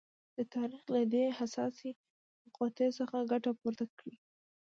د تاریخ له دې حساسې مقطعې څخه ګټه پورته کړي.